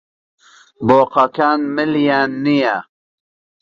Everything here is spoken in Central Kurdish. بۆقەکان ملیان نییە.